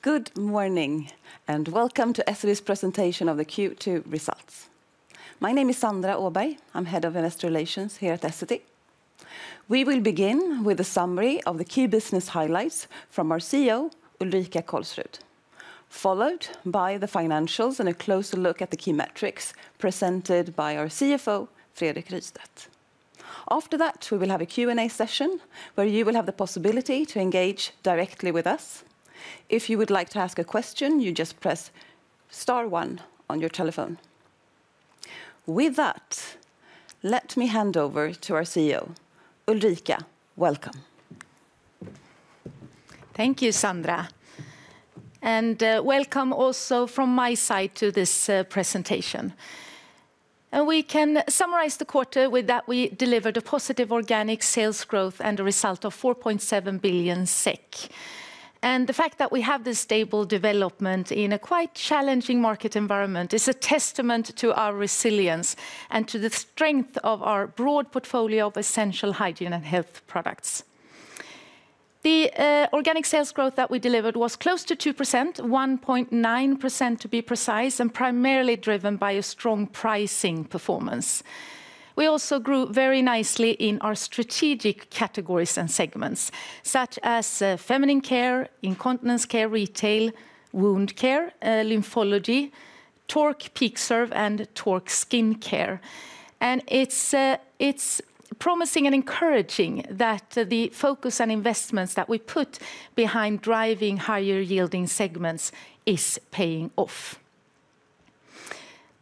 Good morning, and welcome to Essity's presentation of the Q2 results. My name is Sandra Åberg, I'm Head of Investor Relations here at Essity. We will begin with a summary of the key business highlights from our CEO, Ulrika Kolsrud, followed by the financials and a closer look at the key metrics presented by our CFO, Fredrik Rystedt. After that, we will have a Q&A session where you will have the possibility to engage directly with us. If you would like to ask a question, you just press star one on your telephone. With that, let me hand over to our CEO, Ulrika. Welcome. Thank you, Sandra. And welcome also from my side to this presentation. We can summarize the quarter with that we delivered a positive organic sales growth and a result of 4.7 billion SEK. And the fact that we have this stable development in a quite challenging market environment is a testament to our resilience and to the strength of our broad portfolio of essential hygiene and health products. The organic sales growth that we delivered was close to 2%, 1.9% to be precise, and primarily driven by a strong pricing performance. We also grew very nicely in our strategic categories and segments, such as feminine care, incontinence care, retail, wound care, lymphology, Tork PeakServe, and Tork Skincare. And it's promising and encouraging that the focus and investments that we put behind driving higher yielding segments is paying off.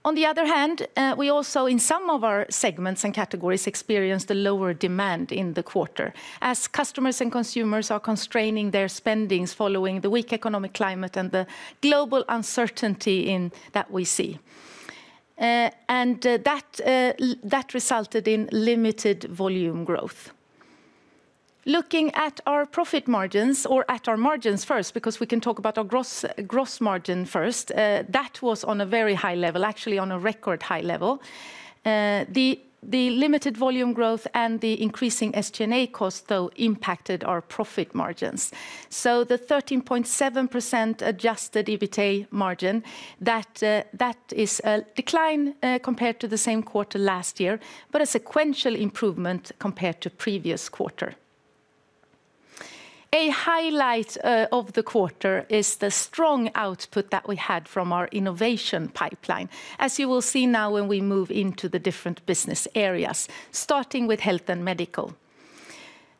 On the other hand, we also in some of our segments and categories experienced a lower demand in the quarter as customers and consumers are constraining their spendings following the weak economic climate and the global uncertainty that we see. And that resulted in limited volume growth. Looking at our profit margins, or at our margins first, because we can talk about our gross margin first, that was on a very high level, actually on a record high level. The limited volume growth and the increasing SG&A cost, though, impacted our profit margins. So the 13.7% adjusted EBITDA margin, that is a decline compared to the same quarter last year, but a sequential improvement compared to the previous quarter. A highlight of the quarter is the strong output that we had from our innovation pipeline, as you will see now when we move into the different business areas, starting with health and medical.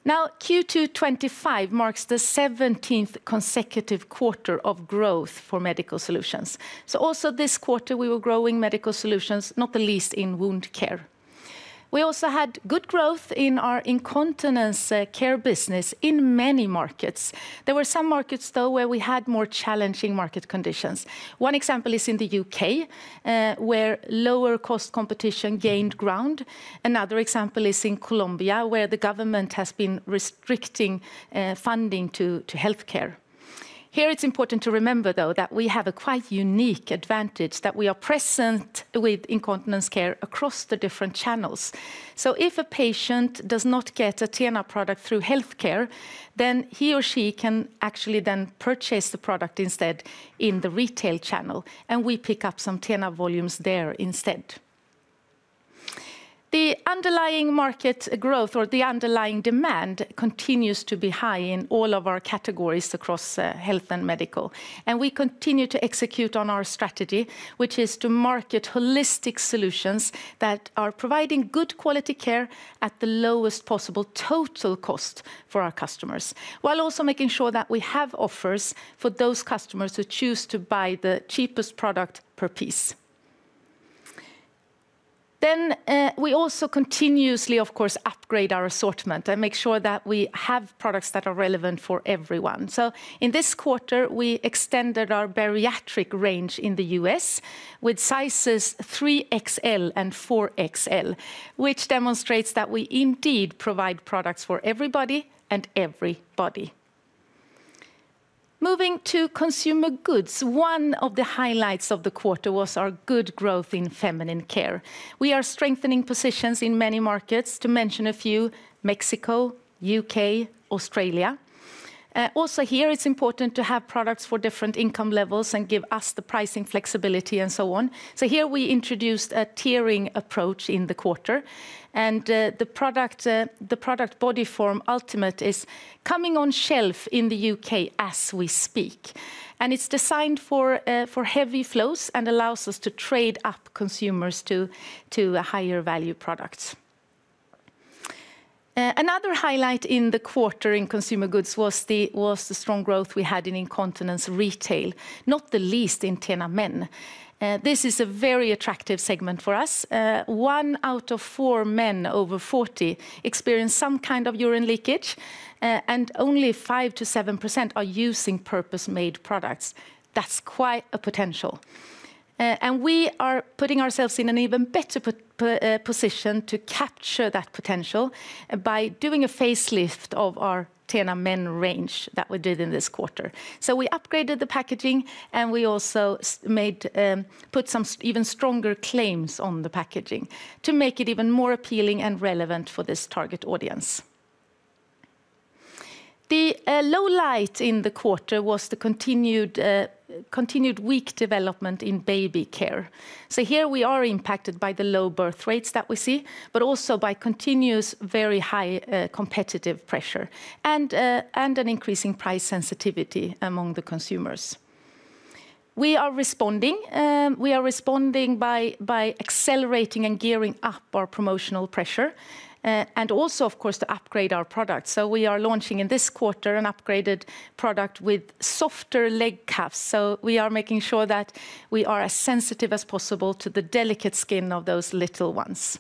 Now, Q2 2025 marks the 17th consecutive quarter of growth for medical solutions. So also this quarter we were growing medical solutions, not the least in wound care. We also had good growth in our incontinence care business in many markets. There were some markets, though, where we had more challenging market conditions. One example is in the U.K. Where lower cost competition gained ground. Another example is in Colombia, where the government has been restricting funding to healthcare. Here it's important to remember, though, that we have a quite unique advantage that we are present with incontinence care across the different channels. So if a patient does not get a TENA product through healthcare, then he or she can actually then purchase the product instead in the retail channel, and we pick up some TENA volumes there instead. The underlying market growth, or the underlying demand, continues to be high in all of our categories across health and medical. We continue to execute on our strategy, which is to market holistic solutions that are providing good quality care at the lowest possible total cost for our customers, while also making sure that we have offers for those customers who choose to buy the cheapest product per piece. Then we also continuously, of course, upgrade our assortment and make sure that we have products that are relevant for everyone. So in this quarter, we extended our bariatric range in the U.S. with sizes 3XL and 4XL, which demonstrates that we indeed provide products for everybody and everybody. Moving to consumer goods, one of the highlights of the quarter was our good growth in feminine care. We are strengthening positions in many markets, to mention a few: Mexico, U.K., Australia. Also here, it's important to have products for different income levels and give us the pricing flexibility and so on. So here we introduced a tiering approach in the quarter, and the product Bodyform Ultimate is coming on shelf in the U.K. as we speak. And it's designed for heavy flows and allows us to trade up consumers to higher value products. Another highlight in the quarter in consumer goods was the strong growth we had in incontinence retail, not the least in TENA Men. This is a very attractive segment for us. One out of four men over 40 experienced some kind of urine leakage, and only 5% to 7% are using purpose-made products. That's quite a potential. And we are putting ourselves in an even better position to capture that potential by doing a facelift of our TENA Men range that we did in this quarter. So we upgraded the packaging, and we also put some even stronger claims on the packaging to make it even more appealing and relevant for this target audience. The low light in the quarter was the continued weak development in baby care. So here we are impacted by the low birth rates that we see, but also by continuous very high competitive pressure and an increasing price sensitivity among the consumers. We are responding by accelerating and gearing up our promotional pressure. And also, of course, to upgrade our products. So we are launching in this quarter an upgraded product with softer leg cuffs. So we are making sure that we are as sensitive as possible to the delicate skin of those little ones.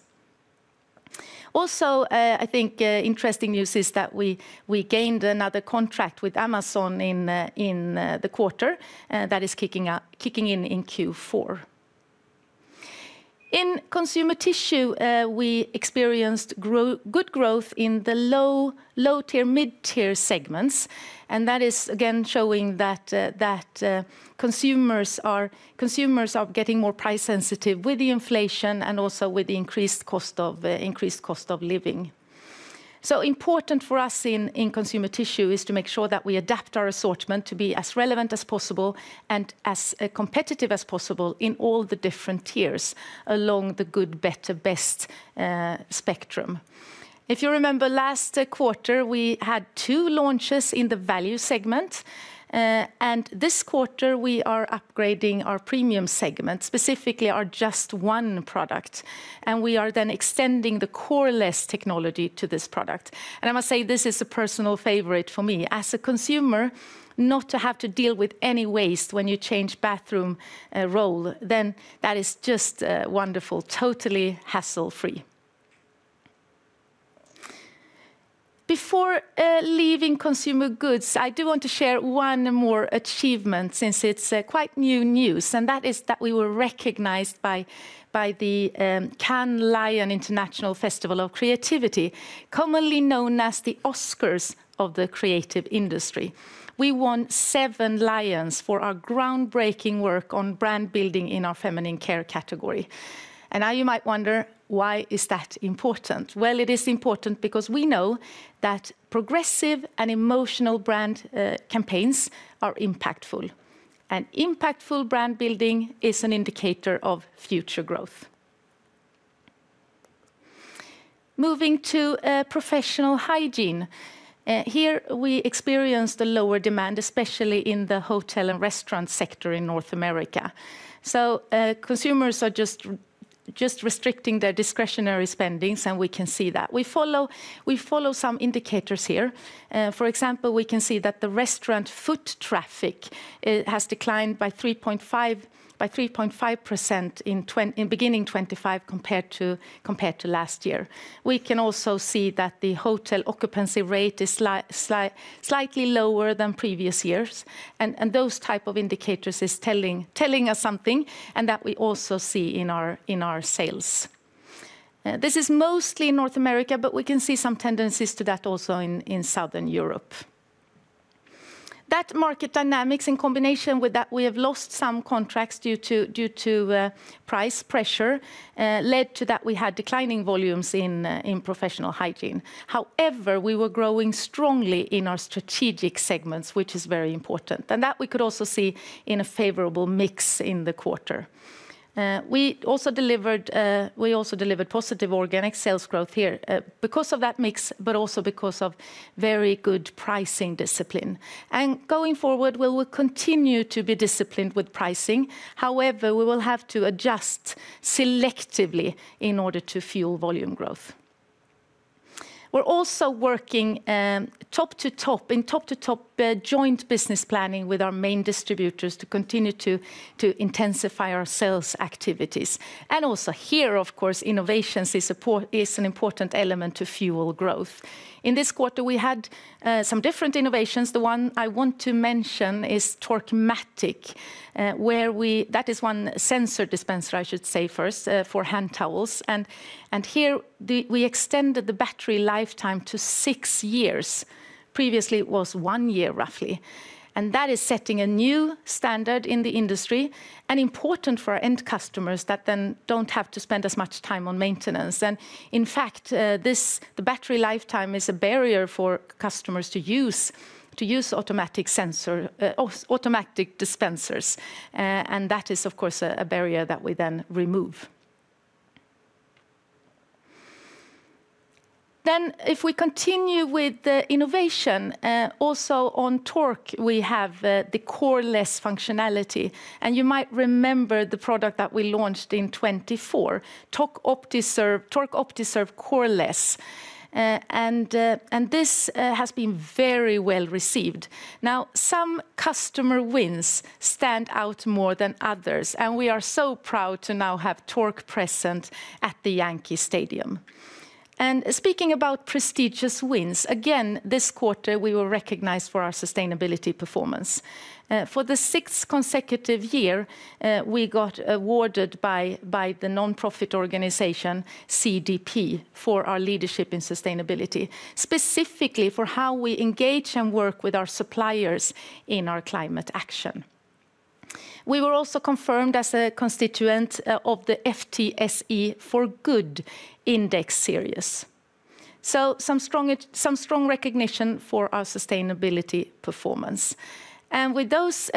Also, I think interesting news is that we gained another contract with Amazon in the quarter that is kicking in in Q4. In consumer tissue, we experienced good growth in the low-tier, mid-tier segments, and that is again showing that consumers are getting more price sensitive with the inflation and also with the increased cost of living. So important for us in consumer tissue is to make sure that we adapt our assortment to be as relevant as possible and as competitive as possible in all the different tiers along the good, better, best spectrum. If you remember last quarter, we had two launches in the value segment. And this quarter we are upgrading our premium segment, specifically our Just-1 product, and we are then extending the coreless technology to this product. And I must say this is a personal favorite for me. As a consumer, not to have to deal with any waste when you change bathroom roll, then that is just wonderful, totally hassle-free. Before leaving consumer goods, I do want to share one more achievement since it's quite new news, and that is that we were recognized by the Cannes Lions International Festival of Creativity, commonly known as the Oscars of the creative industry. We won seven Lions for our groundbreaking work on brand building in our feminine care category. And now you might wonder, why is that important? Well, it is important because we know that progressive and emotional brand campaigns are impactful. And impactful brand building is an indicator of future growth. Moving to professional hygiene. Here we experienced a lower demand, especially in the hotel and restaurant sector in North America. So consumers are just restricting their discretionary spending, and we can see that. We follow some indicators here. For example, we can see that the restaurant foot traffic has declined by 3.5% in beginning 2025 compared to last year. We can also see that the hotel occupancy rate is slightly lower than previous years. And those types of indicators are telling us something, and that we also see in our sales. This is mostly in North America, but we can see some tendencies to that also in Southern Europe. That market dynamics, in combination with that we have lost some contracts due to price pressure, led to that we had declining volumes in professional hygiene. However, we were growing strongly in our strategic segments, which is very important. And that we could also see in a favorable mix in the quarter. We also delivered positive organic sales growth here because of that mix, but also because of very good pricing discipline. And going forward, we will continue to be disciplined with pricing. However, we will have to adjust selectively in order to fuel volume growth. We're also working top to top, in top to top joint business planning with our main distributors to continue to intensify our sales activities. And also here, of course, innovations is an important element to fuel growth. In this quarter, we had some different innovations. The one I want to mention is Tork Matic, where we, that is one sensor dispenser, I should say first, for hand towels. And here we extended the battery lifetime to six years. Previously, it was one year, roughly. And that is setting a new standard in the industry and important for our end customers that then don't have to spend as much time on maintenance. And in fact the battery lifetime is a barrier for customers to use automatic dispensers. And that is, of course, a barrier that we then remove. Then if we continue with the innovation, also on Tork, we have the core less functionality. And you might remember the product that we launched in 2024, Tork OptiServe - Coreless. And this has been very well received. Now, some customer wins stand out more than others, and we are so proud to now have Tork present at the Yankee Stadium. And speaking about prestigious wins, again, this quarter we were recognized for our sustainability performance. For the sixth consecutive year, we got awarded by the nonprofit organization CDP for our leadership in sustainability, specifically for how we engage and work with our suppliers in our climate action. We were also confirmed as a constituent of the FTSE4Good Index Series. So some strong recognition for our sustainability performance. And with those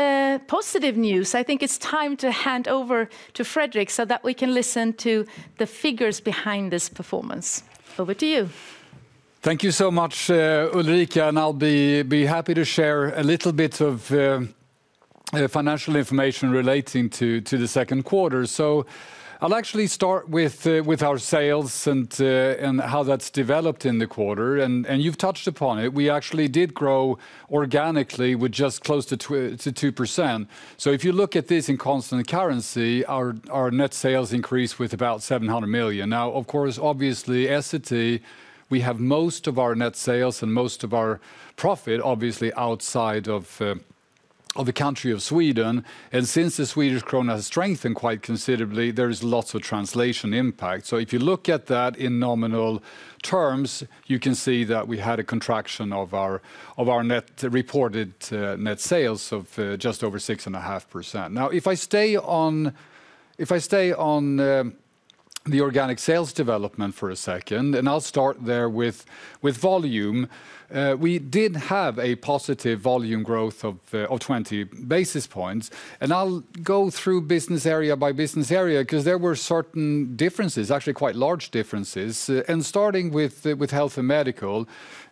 positive news, I think it's time to hand over to Fredrik so that we can listen to the figures behind this performance. Over to you. Thank you so much, Ulrika. And I'll be happy to share a little bit of financial information relating to the second quarter. So I'll actually start with our sales and how that's developed in the quarter. And you've touched upon it. We actually did grow organically with just close to 2%. So if you look at this in constant currency, our net sales increased with about 700 million. Now, of course, obviously, Essity, we have most of our net sales and most of our profit, obviously, outside of the country of Sweden. And since the Swedish krona has strengthened quite considerably, there is lots of translation impact. So if you look at that in nominal terms, you can see that we had a contraction of our net reported net sales of just over 6.5%. Now, if I stay on the organic sales development for a second, and I'll start there with volume, we did have a positive volume growth of 20 basis points. And I'll go through business area by business area because there were certain differences, actually quite large differences. And starting with health and medical.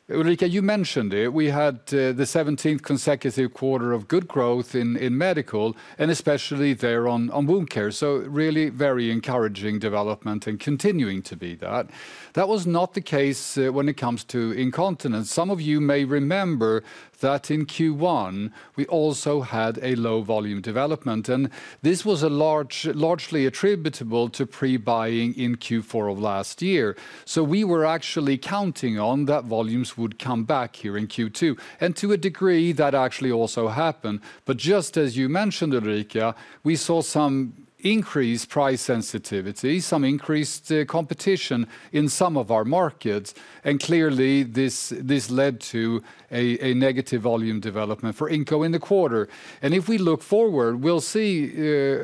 Ulrika, you mentioned it. We had the 17th consecutive quarter of good growth in medical, and especially there on wound care. So really very encouraging development and continuing to be that. That was not the case when it comes to incontinence. Some of you may remember that in Q1, we also had a low volume development, and this was largely attributable to pre-buying in Q4 of last year. So we were actually counting on that volumes would come back here in Q2. And to a degree, that actually also happened. But just as you mentioned, Ulrika, we saw some increased price sensitivity, some increased competition in some of our markets. And clearly, this led to a negative volume development for inco in the quarter. And if we look forward, we'll see,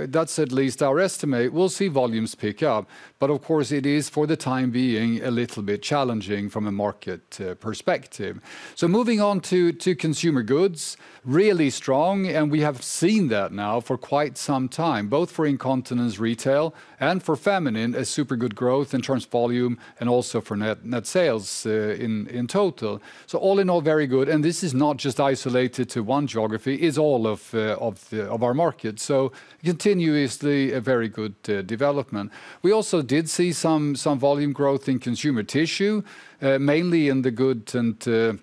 that's at least our estimate, we'll see volumes pick up. But of course, it is for the time being a little bit challenging from a market perspective. So moving on to consumer goods, really strong, and we have seen that now for quite some time, both for incontinence retail and for feminine, a super good growth in terms of volume and also for net sales in total. So all in all, very good. And this is not just isolated to one geography, it's all of our market. So continuously a very good development. We also did see some volume growth in consumer tissue, mainly in the good and the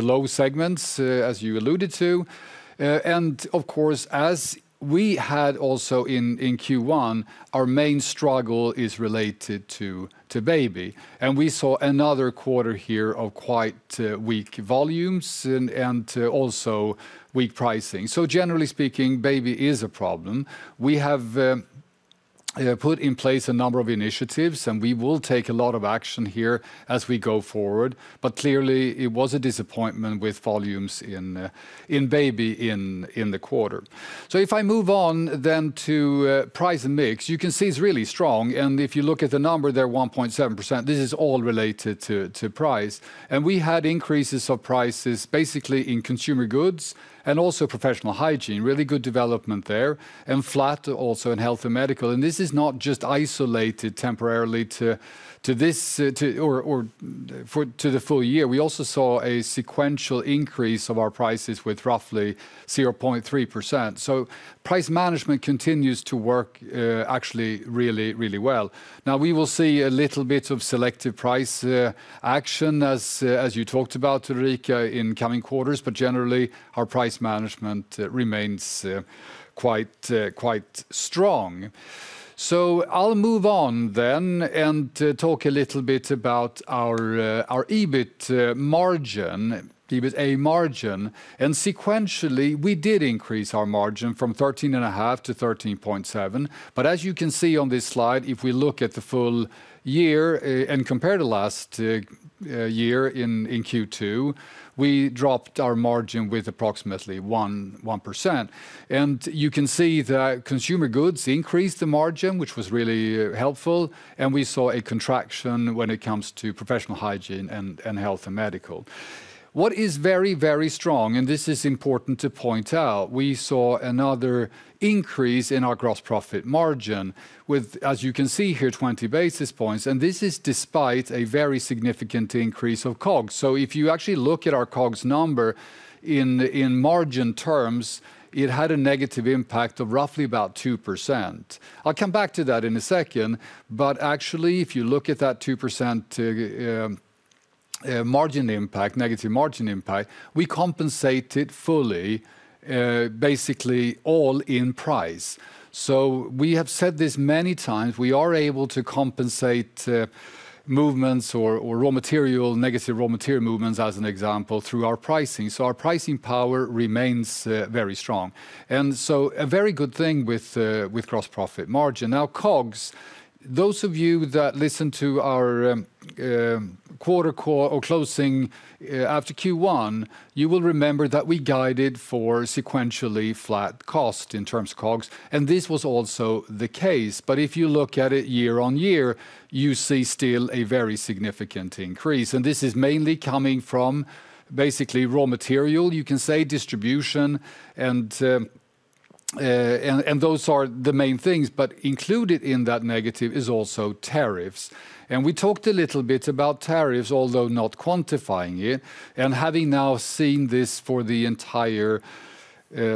low segments, as you alluded to. And of course, as we had also in Q1, our main struggle is related to baby. And we saw another quarter here of quite weak volumes and also weak pricing. So generally speaking, baby is a problem. We have put in place a number of initiatives, and we will take a lot of action here as we go forward. But clearly, it was a disappointment with volumes in baby in the quarter. So if I move on then to price and mix, you can see it's really strong. And if you look at the number there, 1.7%, this is all related to price. And we had increases of prices basically in consumer goods and also professional hygiene, really good development there, and flat also in health and medical. And this is not just isolated temporarily to this or to the full year. We also saw a sequential increase of our prices with roughly 0.3%. So price management continues to work actually really, really well. Now, we will see a little bit of selective price action, as you talked about, Ulrika, in coming quarters, but generally, our price management remains quite strong. So I'll move on then and talk a little bit about our EBITA margin, EBITA margin. And sequentially, we did increase our margin from 13.5% to 13.7%. But as you can see on this slide, if we look at the full year and compare the last year in Q2, we dropped our margin with approximately 1%. And you can see that consumer goods increased the margin, which was really helpful. And we saw a contraction when it comes to professional hygiene and health and medical. What is very, very strong, and this is important to point out, we saw another increase in our gross profit margin with, as you can see here, 20 basis points. And this is despite a very significant increase of COGS. So if you actually look at our COGS number in margin terms, it had a negative impact of roughly about 2%. I'll come back to that in a second. But actually, if you look at that 2% margin impact, negative margin impact, we compensated fully. Basically all in price. So we have said this many times, we are able to compensate movements or raw material, negative raw material movements, as an example, through our pricing. So our pricing power remains very strong. And so a very good thing with gross profit margin. Now, COGS, those of you that listen to our quarterly call or closing after Q1, you will remember that we guided for sequentially flat cost in terms of COGS. And this was also the case. But if you look at it year-on-year, you see still a very significant increase. And this is mainly coming from basically raw material, you can say, distribution. And those are the main things. But included in that negative is also tariffs. And we talked a little bit about tariffs, although not quantifying it. And having now seen this for the entire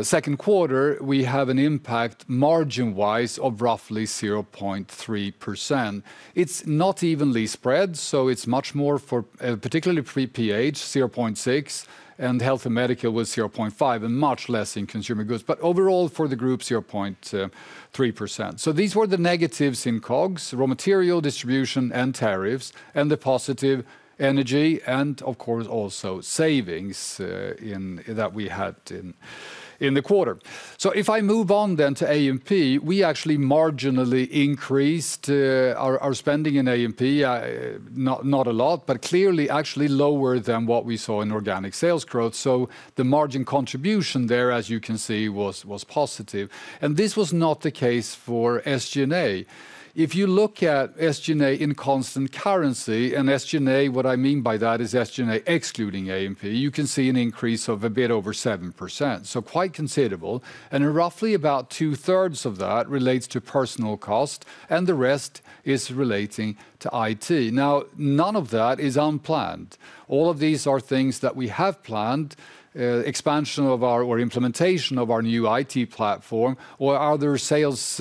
second quarter, we have an impact margin-wise of roughly 0.3%. It's not evenly spread, so it's much more for particularly PH, 0.6%, and health and medical was 0.5%, and much less in consumer goods. But overall, for the group, 0.3%. So these were the negatives in COGS, raw material, distribution, and tariffs, and the positive energy and, of course, also savings that we had in the quarter. So if I move on then to A&P, we actually marginally increased our spending in A&P. Not a lot, but clearly actually lower than what we saw in organic sales growth. So the margin contribution there, as you can see, was positive. And this was not the case for SG&A. If you look at SG&A in constant currency, and SG&A, what I mean by that is SG&A excluding A&P, you can see an increase of a bit over 7%. So quite considerable. And roughly about 2/3 of that relates to personnel cost, and the rest is relating to IT. Now, none of that is unplanned. All of these are things that we have planned, expansion of our or implementation of our new IT platform, or other sales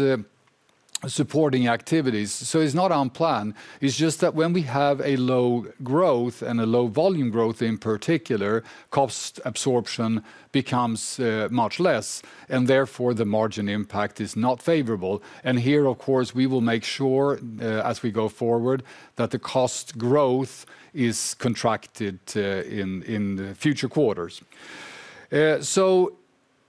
supporting activities. So it's not unplanned. It's just that when we have a low growth and a low volume growth in particular. Cost absorption becomes much less, and therefore the margin impact is not favorable. And here, of course, we will make sure as we go forward that the cost growth is contained in future quarters. So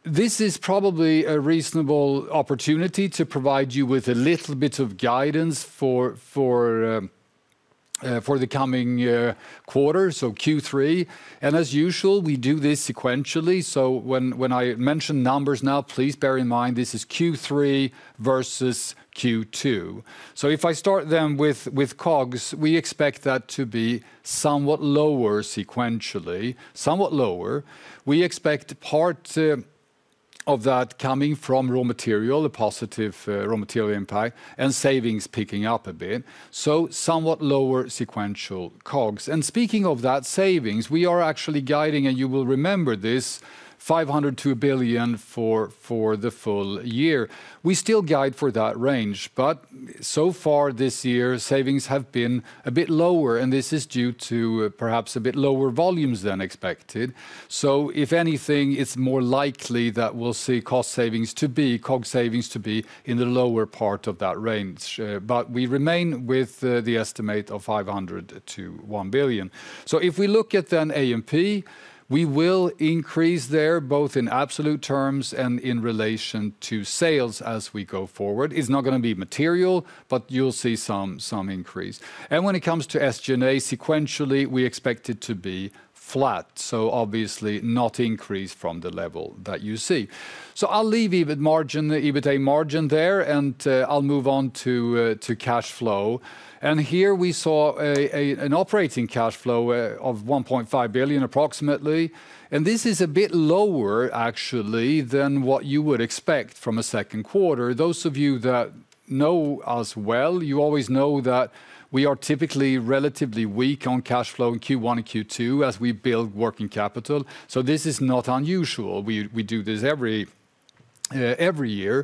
this is probably a reasonable opportunity to provide you with a little bit of guidance for the coming quarter, so Q3. And as usual, we do this sequentially. So when I mention numbers now, please bear in mind this is Q3 versus Q2. So if I start then with COGS, we expect that to be somewhat lower sequentially, somewhat lower. We expect part of that coming from raw material, a positive raw material impact, and savings picking up a bit. So somewhat lower sequential COGS. And speaking of that savings, we are actually guiding, and you will remember this, 0.5 billion-1 billion for the full year. We still guide for that range, but so far this year, savings have been a bit lower, and this is due to perhaps a bit lower volumes than expected. So if anything, it's more likely that we'll see cost savings to be, COGS savings to be in the lower part of that range. But we remain with the estimate of 0.5 billion-1 billion. So if we look at then A&P, we will increase there both in absolute terms and in relation to sales as we go forward. It's not going to be material, but you'll see some increase. And when it comes to SG&A, sequentially, we expect it to be flat. So obviously, not increase from the level that you see. So I'll leave EBIT margin, EBITDA margin there, and I'll move on to cash flow. And here we saw an operating cash flow of 1.5 billion approximately. And this is a bit lower actually than what you would expect from a second quarter. Those of you that know us well, you always know that we are typically relatively weak on cash flow in Q1 and Q2 as we build working capital. So this is not unusual. We do this every year.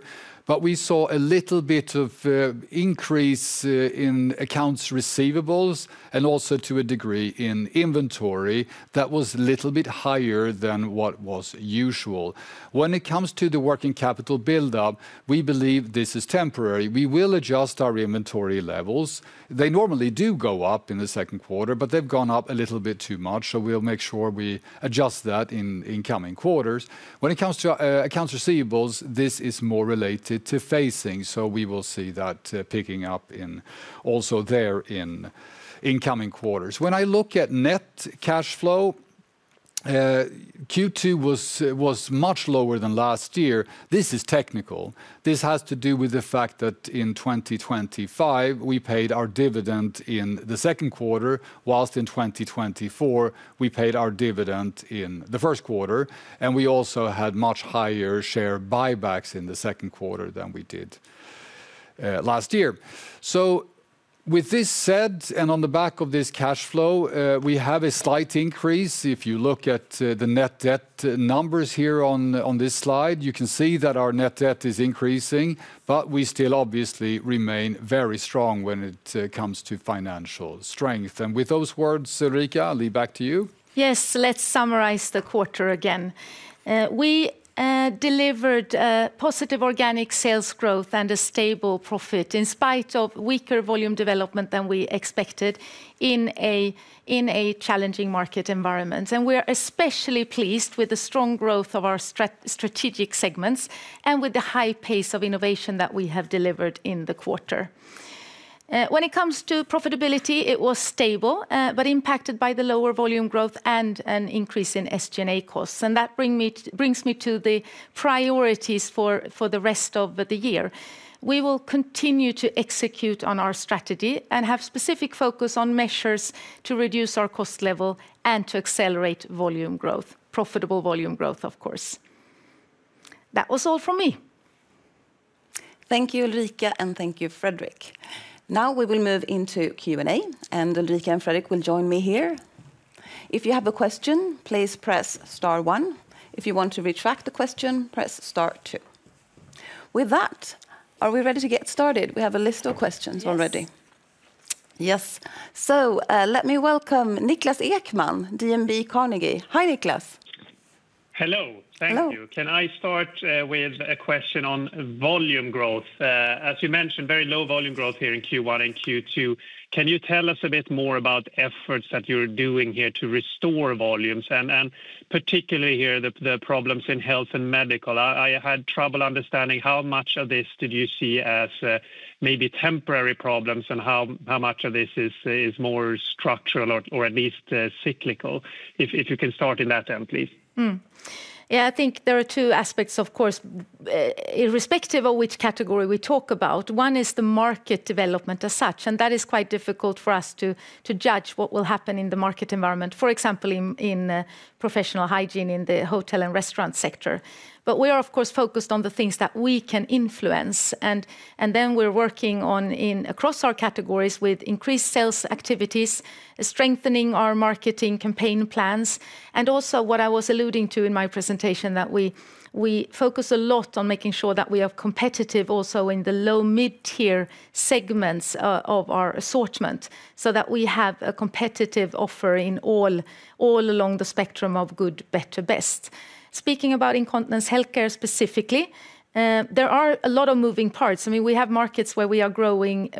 But we saw a little bit of increase in accounts receivables and also to a degree in inventory. That was a little bit higher than what was usual. When it comes to the working capital buildup, we believe this is temporary. We will adjust our inventory levels. They normally do go up in the second quarter, but they've gone up a little bit too much. So we'll make sure we adjust that in coming quarters. When it comes to accounts receivables, this is more related to phasing. So we will see that picking up also there in coming quarters. When I look at net cash flow, Q2 was much lower than last year. This is technical. This has to do with the fact that in 2025, we paid our dividend in the second quarter, while in 2024, we paid our dividend in the first quarter. And we also had much higher share buybacks in the second quarter than we did last year. So with this said, and on the back of this cash flow, we have a slight increase. If you look at the net debt numbers here on this slide, you can see that our net debt is increasing, but we still obviously remain very strong when it comes to financial strength. And with those words, Ulrika, I'll leave back to you. Yes, let's summarize the quarter again. We delivered positive organic sales growth and a stable profit in spite of weaker volume development than we expected in a challenging market environment. And we are especially pleased with the strong growth of our strategic segments and with the high pace of innovation that we have delivered in the quarter. When it comes to profitability, it was stable, but impacted by the lower volume growth and an increase in SG&A costs. And that brings me to the priorities for the rest of the year. We will continue to execute on our strategy and have specific focus on measures to reduce our cost level and to accelerate volume growth, profitable volume growth, of course. That was all from me. Thank you, Ulrika, and thank you, Fredrik. Now we will move into Q&A, and Ulrika and Fredrik will join me here. If you have a question, please press star one. If you want to retract the question, press star two. With that, are we ready to get started? We have a list of questions already. Yes. So let me welcome Niklas Ekman, DNB Carnegie. Hi, Niklas. Hello. Thank you. Can I start with a question on volume growth? As you mentioned, very low volume growth here in Q1 and Q2. Can you tell us a bit more about efforts that you're doing here to restore volumes and particularly here the problems in health and medical? I had trouble understanding how much of this did you see as maybe temporary problems and how much of this is more structural or at least cyclical? If you can start in that end, please. Yeah, I think there are two aspects, of course. Irrespective of which category we talk about, one is the market development as such, and that is quite difficult for us to judge what will happen in the market environment, for example, in professional hygiene in the hotel and restaurant sector. But we are, of course, focused on the things that we can influence. And then we're working across our categories with increased sales activities, strengthening our marketing campaign plans, and also what I was alluding to in my presentation that we focus a lot on making sure that we have competitive also in the low-mid-tier segments of our assortment so that we have a competitive offer all. Along the spectrum of good, better, best. Speaking about incontinence healthcare specifically, there are a lot of moving parts. I mean, we have markets where we are growing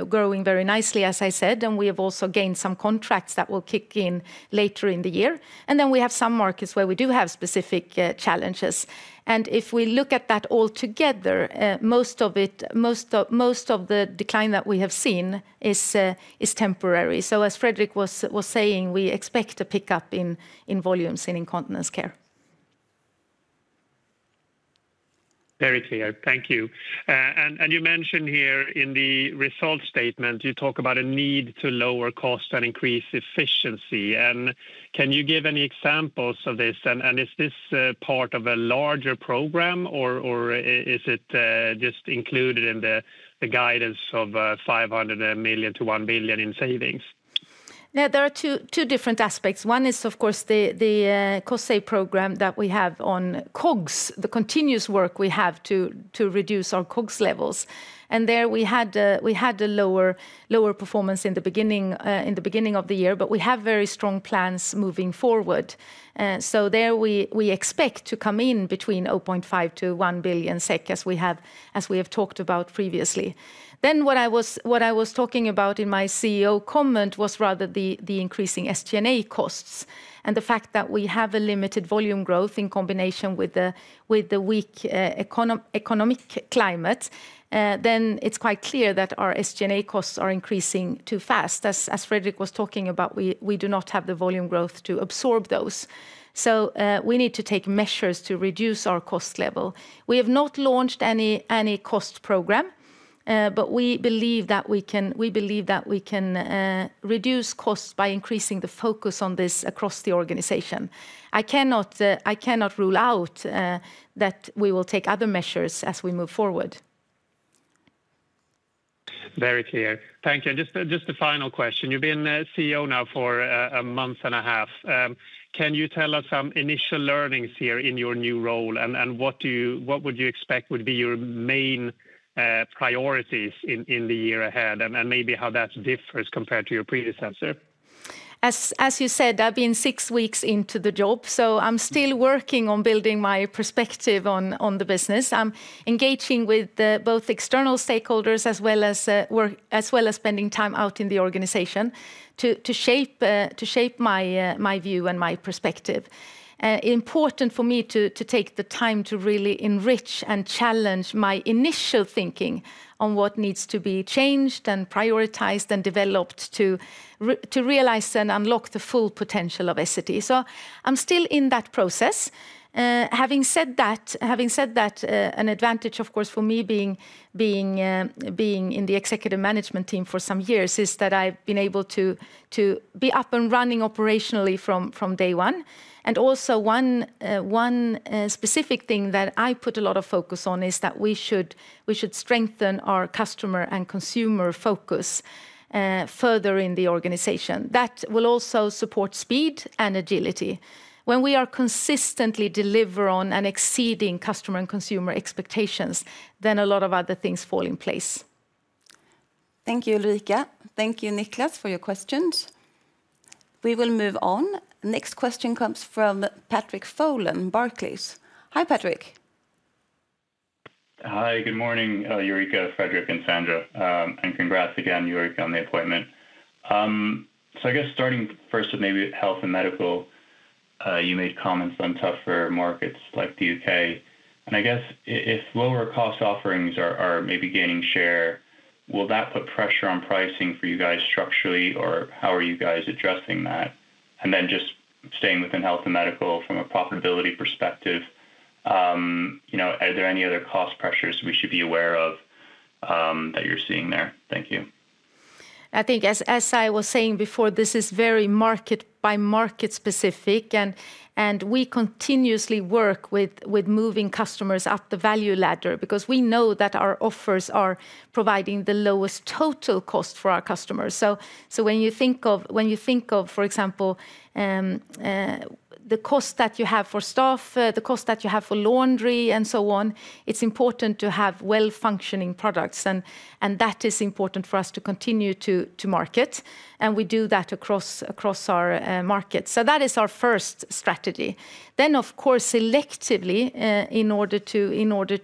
very nicely, as I said, and we have also gained some contracts that will kick in later in the year. And then we have some markets where we do have specific challenges. And if we look at that all together, most of the decline that we have seen is temporary. So as Fredrik was saying, we expect a pickup in volumes in incontinence care. Very clear. Thank you. And you mentioned here in the result statement, you talk about a need to lower costs and increase efficiency. And can you give any examples of this? And is this part of a larger program, or is it just included in the guidance of 500 million to 1 billion in savings? There are two different aspects. One is, of course, the cost program that we have on COGS, the continuous work we have to reduce our COGS levels. And there we had a lower performance in the beginning of the year, but we have very strong plans moving forward. So there we expect to come in between 0.5 billion-1 billion SEK, as we have talked about previously. Then what I was talking about in my CEO comment was rather the increasing SG&A costs. And the fact that we have a limited volume growth in combination with the weak economic climate, then it's quite clear that our SG&A costs are increasing too fast. As Fredrik was talking about, we do not have the volume growth to absorb those. So we need to take measures to reduce our cost level. We have not launched any cost program. But we believe that we can reduce costs by increasing the focus on this across the organization. I cannot rule out that we will take other measures as we move forward. Very clear. Thank you. And just a final question. You've been CEO now for a month and a half. Can you tell us some initial learnings here in your new role and what would you expect would be your main priorities in the year ahead and maybe how that differs compared to your predecessor? As you said, I've been six weeks into the job, so I'm still working on building my perspective on the business. I'm engaging with both external stakeholders as well as spending time out in the organization to shape my view and my perspective. It's important for me to take the time to really enrich and challenge my initial thinking on what needs to be changed and prioritized and developed to realize and unlock the full potential of Essity. So I'm still in that process. Having said that, an advantage, of course, for me being in the executive management team for some years is that I've been able to be up and running operationally from day one. And also, one specific thing that I put a lot of focus on is that we should strengthen our customer and consumer focus further in the organization. That will also support speed and agility. When we are consistently delivering on and exceeding customer and consumer expectations, then a lot of other things fall in place. Thank you, Ulrika. Thank you, Niklas, for your questions. We will move on. Next question comes from Patrick Folan, Barclays. Hi, Patrick. Hi, good morning, Ulrika, Fredrik, and Sandra. And congrats again, Ulrika, on the appointment. So I guess starting first with maybe health and medical. You made comments on tougher markets like the U.K. And I guess if lower cost offerings are maybe gaining share, will that put pressure on pricing for you guys structurally, or how are you guys addressing that? And then just staying within health and medical from a profitability perspective, are there any other cost pressures we should be aware of that you're seeing there? Thank you. I think, as I was saying before, this is very market-by-market specific, and we continuously work with moving customers up the value ladder because we know that our offers are providing the lowest total cost for our customers. So when you think of, for example, the cost that you have for staff, the cost that you have for laundry, and so on, it is important to have well-functioning products. And that is important for us to continue to market. And we do that across our market. So that is our first strategy. Then, of course, selectively, in order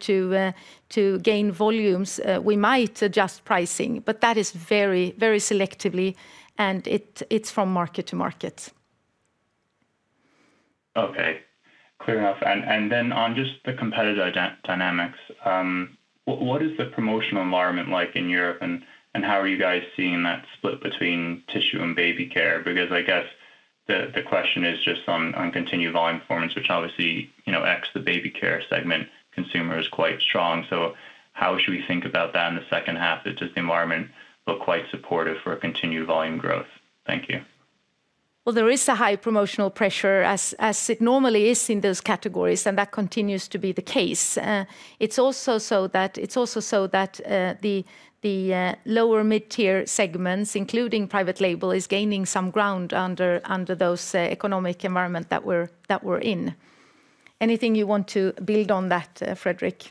to gain volumes, we might adjust pricing, but that is very selectively, and it is from market to market. Okay. Clear enough. And then on just the competitive dynamics. What is the promotional environment like in Europe, and how are you guys seeing that split between tissue and baby care? Because I guess the question is just on continued volume performance, which obviously as the baby care segment consumer is quite strong. So how should we think about that in the second half? Does the environment look quite supportive for continued volume growth? Thank you. Well, there is a high promotional pressure, as it normally is in those categories, and that continues to be the case. It is also so that the lower-mid-tier segments, including private label, is gaining some ground under those economic environments that we are in. Anything you want to build on that, Fredrik?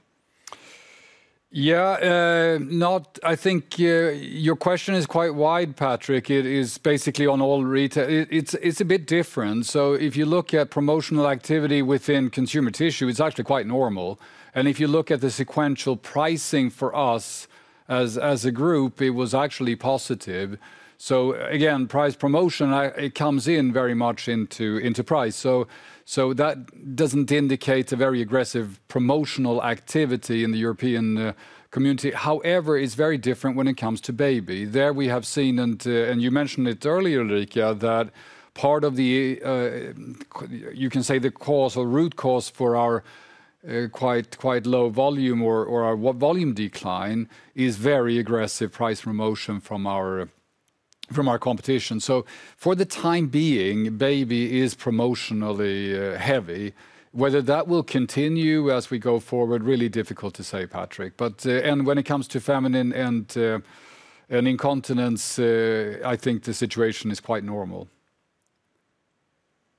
Yeah. I think your question is quite wide, Patrick. It is basically on all retail. It is a bit different. So if you look at promotional activity within consumer tissue, it is actually quite normal. And if you look at the sequential pricing for us as a group, it was actually positive. So again, price promotion, it comes in very much into price. So that does not indicate a very aggressive promotional activity in the European community. However, it is very different when it comes to baby. There we have seen, and you mentioned it earlier, Ulrika, that part of the, you can say the cause or root cause for our quite low volume or our volume decline is very aggressive price promotion from our competition. So for the time being, baby is promotionally heavy. Whether that will continue as we go forward, really difficult to say, Patrick. And when it comes to feminine and incontinence, I think the situation is quite normal.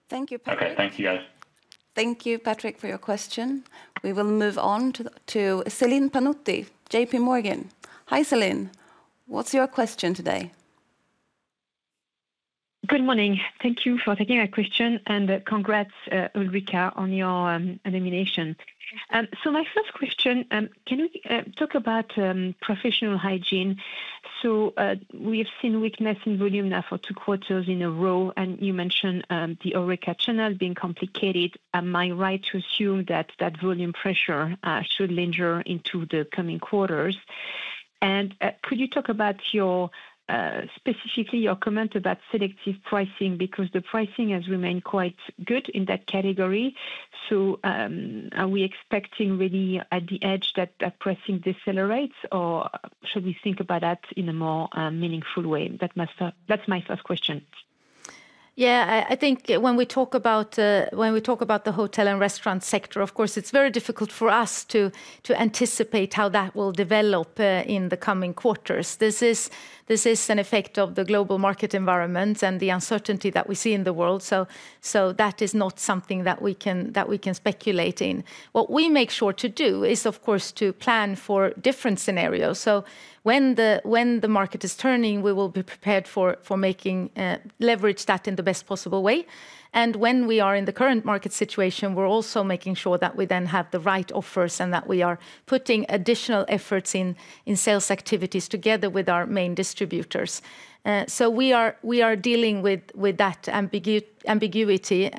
Thank you, Patrick. Thank you, guys. Thank you, Patrick, for your question. We will move on to Celine Pannuti, JPMorgan. Hi, Celine. What is your question today? Good morning. Thank you for taking my question and congrats, Ulrika, on your appointment. So my first question, can you talk about professional hygiene? So we have seen weakness in volume now for two quarters in a row, and you mentioned the HoReCa channel being complicated. Am I right to assume that that volume pressure should linger into the coming quarters? And could you talk about specifically your comment about selective pricing? Because the pricing has remained quite good in that category. So. Are we expecting really at the edge that that pricing decelerates, or should we think about that in a more meaningful way? That's my first question. Yeah, I think when we talk about the hotel and restaurant sector, of course, it's very difficult for us to anticipate how that will develop in the coming quarters. This is an effect of the global market environment and the uncertainty that we see in the world. So that is not something that we can speculate in. What we make sure to do is, of course, to plan for different scenarios. So when the market is turning, we will be prepared for leveraging that in the best possible way. And when we are in the current market situation, we're also making sure that we then have the right offers and that we are putting additional efforts in sales activities together with our main distributors. So we are dealing with that ambiguity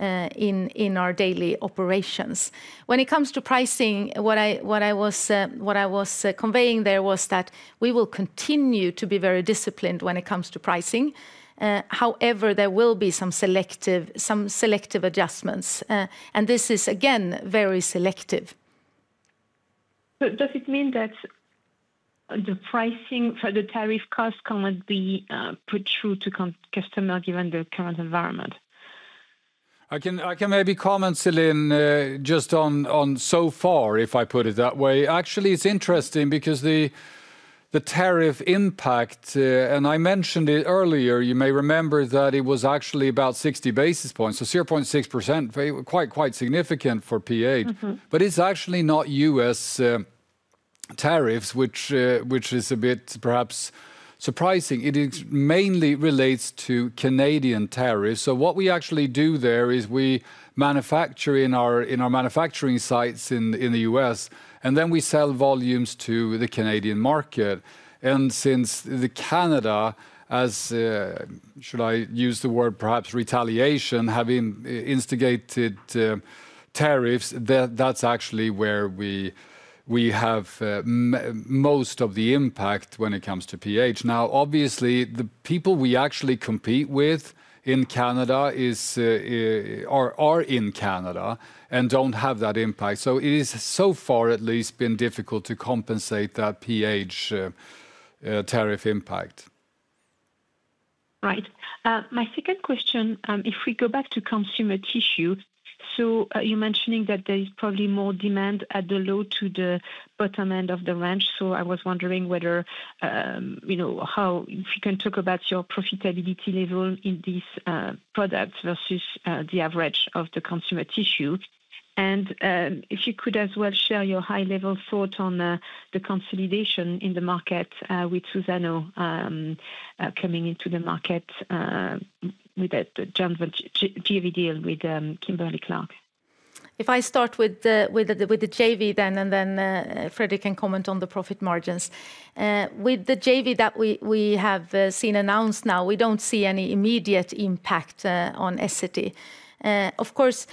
in our daily operations. When it comes to pricing, what I was conveying there was that we will continue to be very disciplined when it comes to pricing. However, there will be some selective adjustments. And this is, again, very selective. Does it mean that the pricing for the tariff costs can't be passed through to the customer given the current environment? I can maybe comment, Celine, just on so far, if I put it that way. Actually, it's interesting because the tariff impact, and I mentioned it earlier, you may remember that it was actually about 60 basis points, so 0.6%, quite significant for PH. But it's actually not U.S. tariffs, which is a bit perhaps surprising. It mainly relates to Canadian tariffs. So what we actually do there is we manufacture in our manufacturing sites in the U.S., and then we sell volumes to the Canadian market. And since Canada, as should I use the word perhaps retaliation, have instigated tariffs, that's actually where we have most of the impact when it comes to PH. Now, obviously, the people we actually compete with in Canada are in Canada and don't have that impact. So it has so far at least been difficult to compensate that PH tariff impact. Right. My second question, if we go back to consumer tissue, so you're mentioning that there is probably more demand at the low to the bottom end of the range. So I was wondering whether if you can talk about your profitability level in these products versus the average of the consumer tissue. And if you could as well share your high-level thought on the consolidation in the market with Suzano coming into the market with the JV deal with Kimberly-Clark. If I start with the JV then, and then Fredrik can comment on the profit margins. With the JV that we have seen announced now, we don't see any immediate impact on Essity. Of course,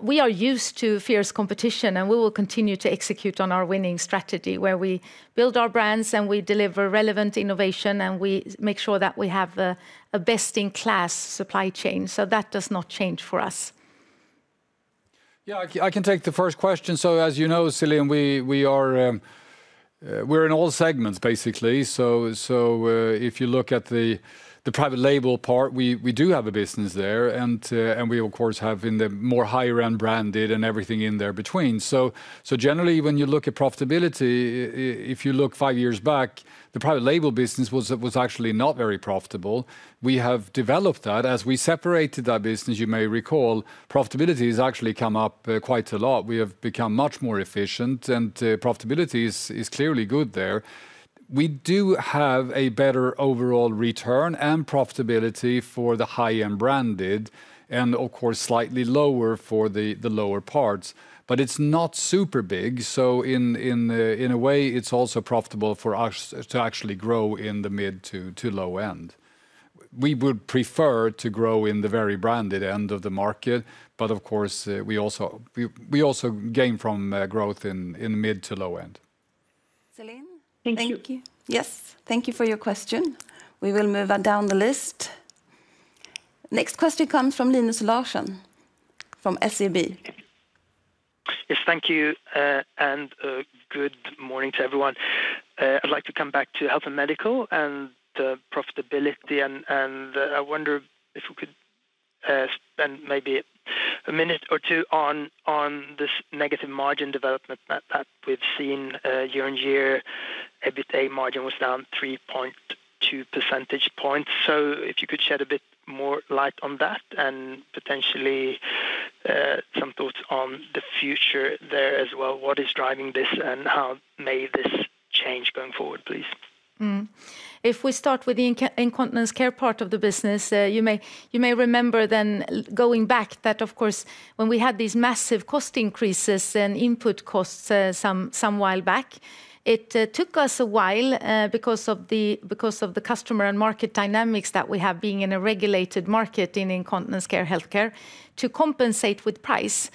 we are used to fierce competition, and we will continue to execute on our winning strategy where we build our brands and we deliver relevant innovation, and we make sure that we have a best-in-class supply chain. So that does not change for us. Yeah, I can take the first question. So, as you know, Celine, we're in all segments, basically. So if you look at the private label part, we do have a business there. And we, of course, have in the more higher-end branded and everything in there between. So generally, when you look at profitability, if you look five years back, the private label business was actually not very profitable. We have developed that. As we separated that business, you may recall, profitability has actually come up quite a lot. We have become much more efficient, and profitability is clearly good there. We do have a better overall return and profitability for the high-end branded, and of course, slightly lower for the lower parts. But it's not super big. So in a way, it's also profitable for us to actually grow in the mid to low end. We would prefer to grow in the very branded end of the market, but of course, we also gain from growth in the mid to low end. Celine? Thank you. Yes, thank you for your question. We will move down the list. Next question comes from Linus Larsson from SEB. Yes, thank you. And good morning to everyone. I'd like to come back to health and medical and profitability. And I wonder if we could spend maybe a minute or two on this negative margin development that we've seen year-on-year. EBITDA margin was down 3.2 percentage points. So if you could shed a bit more light on that and potentially some thoughts on the future there as well. What is driving this and how may this change going forward, please? If we start with the incontinence care part of the business, you may remember then going back that, of course, when we had these massive cost increases and input costs some while back, it took us a while because of the customer and market dynamics that we have being in a regulated market in incontinence care, healthcare, to compensate with price.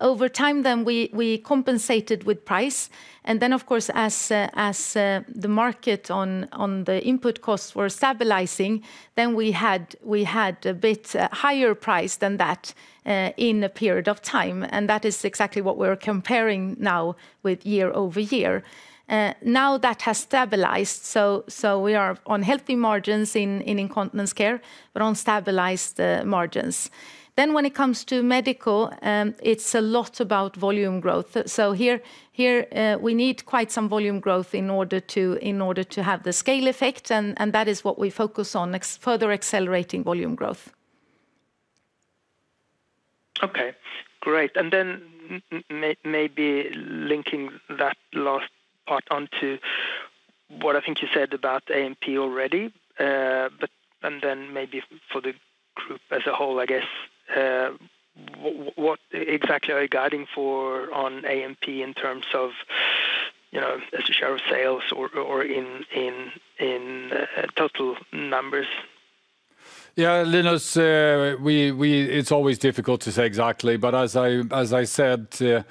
Over time then, we compensated with price. And then, of course, as the market on the input costs were stabilizing, then we had a bit higher price than that in a period of time. And that is exactly what we're comparing now with year-over-year. Now that has stabilized, so we are on healthy margins in incontinence care, but on stabilized margins. Then when it comes to medical, it's a lot about volume growth. So here we need quite some volume growth in order to have the scale effect, and that is what we focus on, further accelerating volume growth. Okay, great. And then maybe linking that last part onto. What I think you said about A&P already. And then maybe for the group as a whole, I guess. What exactly are you guiding for on A&P in terms of. As a share of sales or in. Total numbers? Yeah, Linus. It's always difficult to say exactly, but as I said.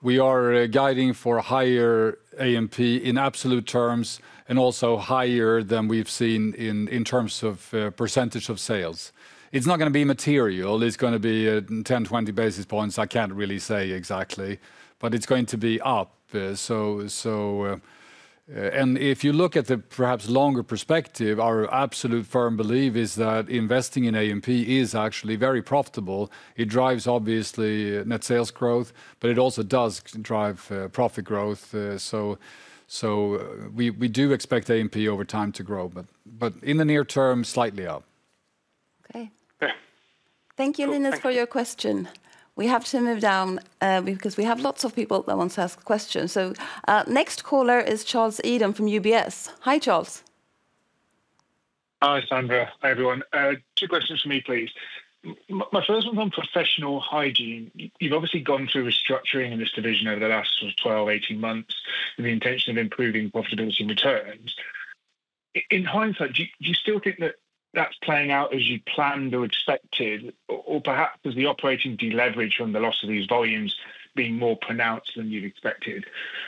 We are guiding for higher A&P in absolute terms and also higher than we've seen in terms of percentage of sales. It's not going to be material. It's going to be 10 basis points-20 basis points. I can't really say exactly, but it's going to be up. And if you look at the perhaps longer perspective, our absolute firm belief is that investing in A&P is actually very profitable. It drives obviously net sales growth, but it also does drive profit growth. So. We do expect A&P over time to grow, but in the near term, slightly up. Okay. Thank you, Linus, for your question. We have to move down because we have lots of people that want to ask questions. So next caller is Charles Eden from UBS. Hi, Charles. Hi, Sandra. Hi, everyone. Two questions for me, please. My first one's on professional hygiene. You've obviously gone through restructuring in this division over the last 12-18 months with the intention of improving profitability and returns. In hindsight, do you still think that that's playing out as you planned or expected, or perhaps is the operating deleverage from the loss of these volumes being more pronounced than you'd expected?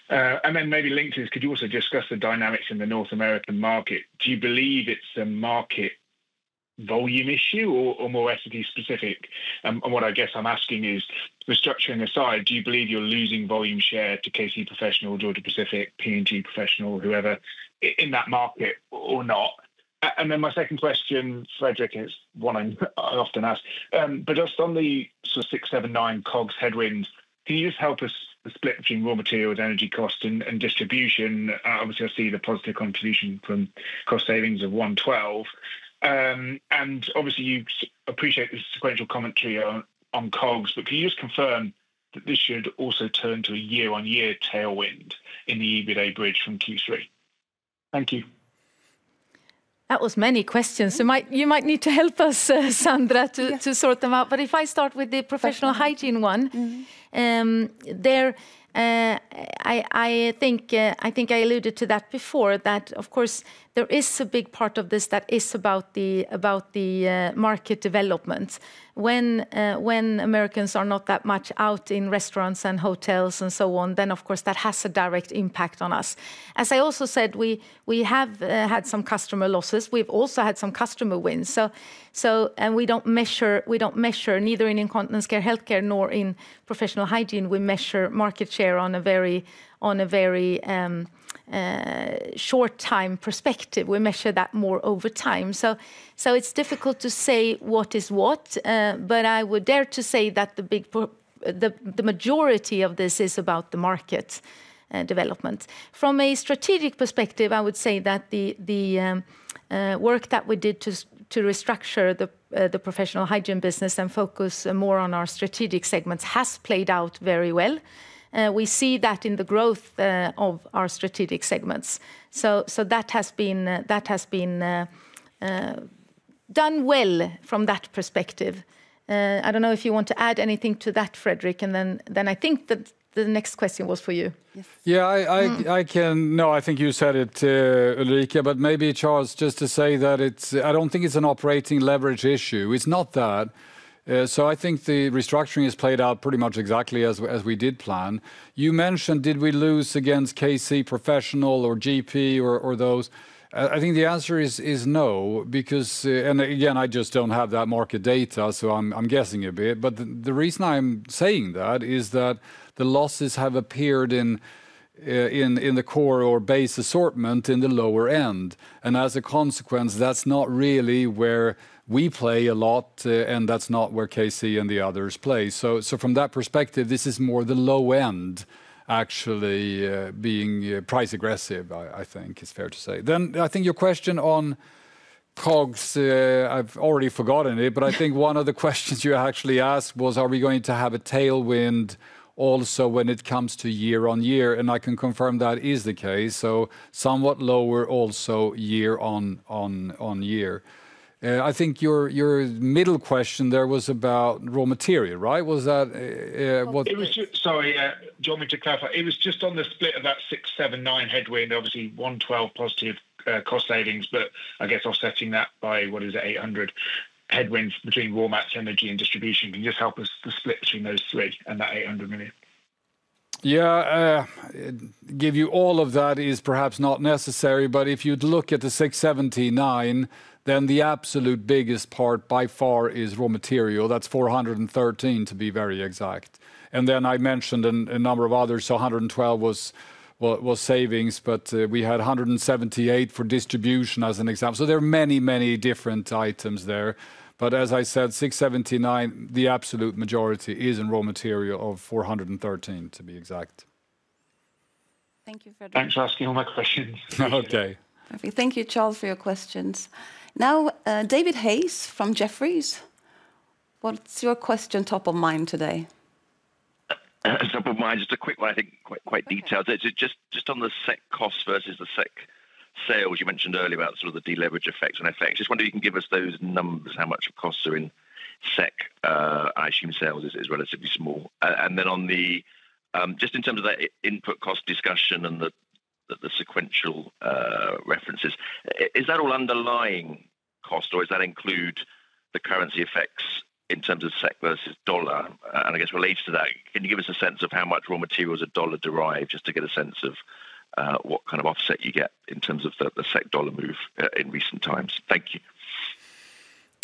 And then maybe linked to this, could you also discuss the dynamics in the North American market? Do you believe it's a market. Volume issue or more Essity-specific? And what I guess I'm asking is, restructuring aside, do you believe you're losing volume share to KC Professional, Georgia-Pacific, P&G Professional, whoever, in that market or not? And then my second question, Fredrik, is one I often ask. But just on the sort of six, seven, nine COGS headwinds, can you just help us split between raw materials, energy costs, and distribution? Obviously, I see the positive contribution from cost savings of 112. And obviously, you appreciate the sequential commentary on COGS, but can you just confirm that this should also turn to a year-on-year tailwind in the EBITDA bridge from Q3? Thank you. That was many questions. You might need to help us, Sandra, to sort them out. But if I start with the professional hygiene one. There. I think I alluded to that before, that of course, there is a big part of this that is about the. Market development. When. Americans are not that much out in restaurants and hotels and so on, then of course, that has a direct impact on us. As I also said, we have had some customer losses. We've also had some customer wins. And we don't measure neither in incontinence care, healthcare, nor in professional hygiene. We measure market share on a very. Short-time perspective. We measure that more over time. So it's difficult to say what is what, but I would dare to say that the majority of this is about the market development. From a strategic perspective, I would say that the work that we did to restructure the professional hygiene business and focus more on our strategic segments has played out very well. We see that in the growth of our strategic segments. So that has been done well from that perspective. I don't know if you want to add anything to that, Fredrik, and then I think that the next question was for you. Yeah, I can. No, I think you said it, Ulrika, but maybe Charles, just to say that I don't think it's an operating leverage issue. It's not that. So I think the restructuring has played out pretty much exactly as we did plan. You mentioned, did we lose against KC Professional or GP or those? I think the answer is no, because, and again, I just don't have that market data, so I'm guessing a bit. But the reason I'm saying that is that the losses have appeared in the core or base assortment in the lower end. And as a consequence, that's not really where we play a lot, and that's not where KC and the others play. So from that perspective, this is more the low end actually being price aggressive, I think is fair to say. Then I think your question on COGS, I've already forgotten it, but I think one of the questions you actually asked was, are we going to have a tailwind also when it comes to year-on-year? And I can confirm that is the case. So somewhat lower also year-on-year. I think your middle question there was about raw material, right? Sorry, do you want me to clarify? It was just on the split of that six, seven, nine headwind, obviously 112 positive cost savings, but I guess offsetting that by, what is it, 800 headwinds between raw mats, energy, and distribution. Can you just help us split between those three and that 800 million? Yeah. Give you all of that is perhaps not necessary, but if you'd look at the 679, then the absolute biggest part by far is raw material. That's 413, to be very exact. And then I mentioned a number of others, so 112 was savings, but we had 178 for distribution as an example. So there are many, many different items there. But as I said, 679, the absolute majority is in raw material of 413, to be exact. Thank you, Fredrik. Thanks for asking all my questions. Okay. Thank you, Charles, for your questions. Now, David Hayes from Jefferies. What's your question top of mind today? Top of mind, just a quick one, I think quite detailed. Just on the SEK costs versus the SEK sales, you mentioned earlier about sort of the deleverage effects and effects. Just wonder if you can give us those numbers, how much of costs are in SEK. I assume sales is relatively small. And then on the just in terms of that input cost discussion and the sequential references, is that all underlying cost, or does that include the currency effects in terms of SEK versus dollar? And I guess related to that, can you give us a sense of how much raw materials are dollar-derived, just to get a sense of what kind of offset you get in terms of the SEK-dollar move in recent times? Thank you.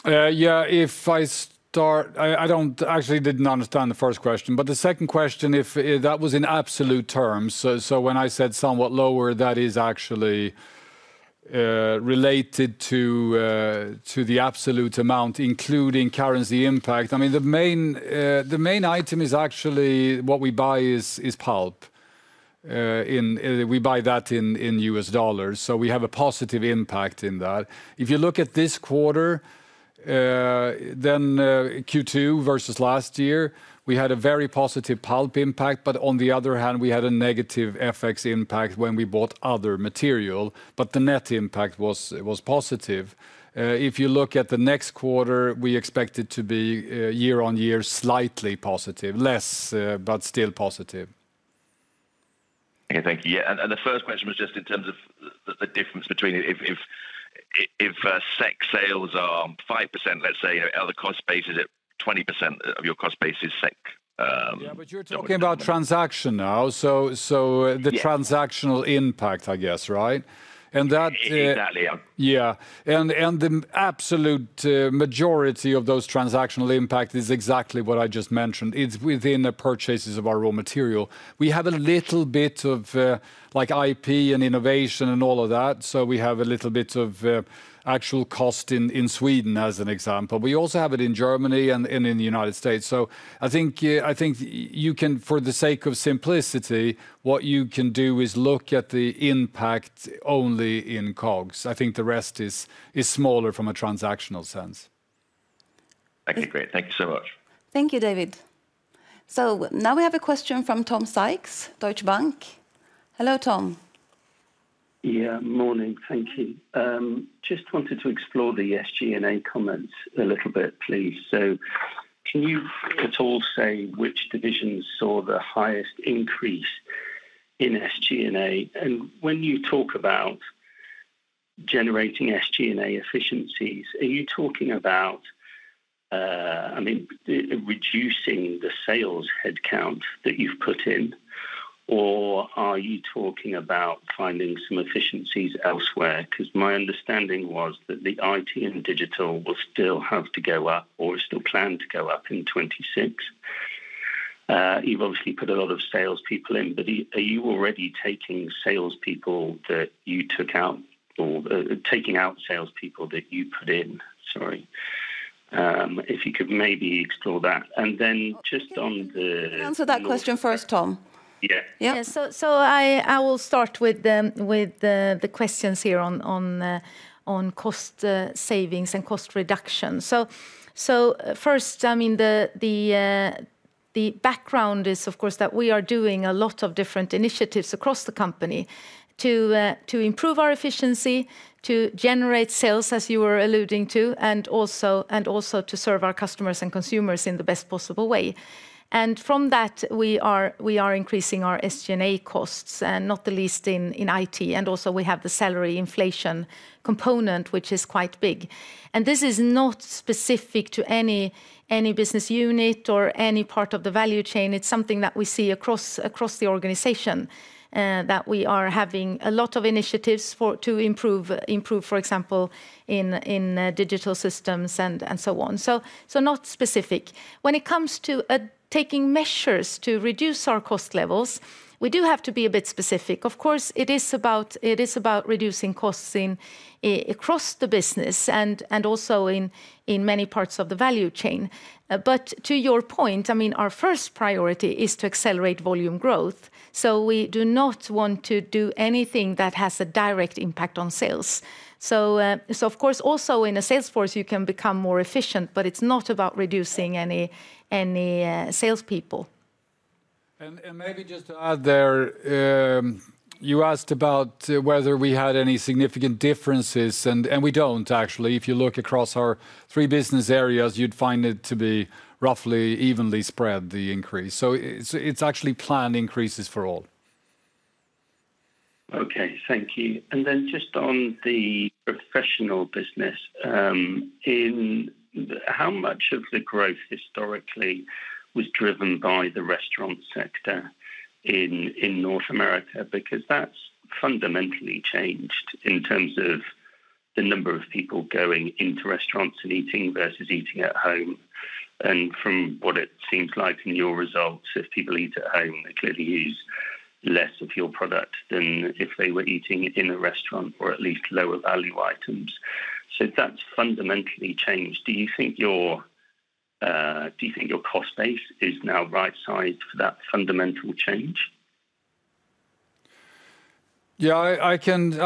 Yeah, if I start, I actually didn't understand the first question, but the second question, if that was in absolute terms. So when I said somewhat lower, that is actually related to the absolute amount, including currency impact. I mean, the main item is actually what we buy is pulp. We buy that in U.S. dollars. So we have a positive impact in that. If you look at this quarter then Q2 versus last year, we had a very positive pulp impact, but on the other hand, we had a negative FX impact when we bought other material. But the net impact was positive. If you look at the next quarter, we expect it to be year-on-year slightly positive, less, but still positive. Okay, thank you. Yeah. And the first question was just in terms of the difference between if SEK sales are 5%, let's say, other cost bases at 20% of your cost bases SEK. Yeah, but you're talking about transaction now, so the transactional impact, I guess, right? And that exactly. Yeah. And the absolute majority of those transactional impact is exactly what I just mentioned. It's within the purchases of our raw material. We have a little bit of IP and innovation and all of that. So we have a little bit of actual cost in Sweden, as an example. We also have it in Germany and in the United States. So I think you can, for the sake of simplicity, what you can do is look at the impact only in COGS. I think the rest is smaller from a transactional sense. Okay, great. Thank you so much. Thank you, David. So now we have a question from Tom Sykes, Deutsche Bank. Hello, Tom. Yeah, morning. Thank you. Just wanted to explore the SG&A comments a little bit, please. So can you at all say which divisions saw the highest increase in SG&A? And when you talk about generating SG&A efficiencies, are you talking about reducing the sales headcount that you've put in. Or are you talking about finding some efficiencies elsewhere? Because my understanding was that the IT and digital will still have to go up or is still planned to go up in 2026. You've obviously put a lot of salespeople in, but are you already taking salespeople that you took out or taking out salespeople that you put in? Sorry. If you could maybe explore that. And then just on the answer that question first, Tom. Yeah. Yeah. So I will start with the questions here on cost savings and cost reduction. So first, I mean, the background is, of course, that we are doing a lot of different initiatives across the company to improve our efficiency, to generate sales, as you were alluding to, and also to serve our customers and consumers in the best possible way. And from that, we are increasing our SG&A costs, and not the least in IT. And also, we have the salary inflation component, which is quite big. And this is not specific to any business unit or any part of the value chain. It's something that we see across the organization. That we are having a lot of initiatives to improve, for example, in digital systems and so on. So not specific. When it comes to taking measures to reduce our cost levels, we do have to be a bit specific. Of course, it is about reducing costs across the business and also in many parts of the value chain. But to your point, I mean, our first priority is to accelerate volume growth. So we do not want to do anything that has a direct impact on sales. So of course, also in a salesforce, you can become more efficient, but it's not about reducing any salespeople. And maybe just to add there, you asked about whether we had any significant differences, and we don't, actually. If you look across our three business areas, you'd find it to be roughly evenly spread, the increase. So it's actually planned increases for all. Okay, thank you. And then just on the professional business. How much of the growth historically was driven by the restaurant sector in North America? Because that's fundamentally changed in terms of the number of people going into restaurants and eating versus eating at home. And from what it seems like in your results, if people eat at home, they clearly use less of your product than if they were eating in a restaurant or at least lower value items. So that's fundamentally changed. Do you think your cost base is now right-sized for that fundamental change? Yeah, I